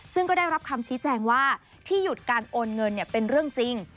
ซึ่งก็ได้รับคำชี้แจงว่าที่หยุดการโอนเงินเป็นเรื่องจริง